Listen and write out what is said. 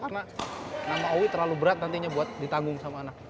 karena nama owi terlalu berat nantinya buat ditanggung sama anak